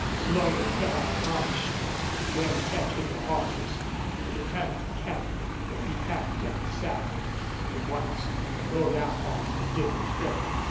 Slone cut out a haunch, and then, catching the horses, he returned to camp, where he packed and saddled, and at once rode out on the dim trail.